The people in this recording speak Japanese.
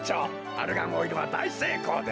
アルガンオイルはだいせいこうですな。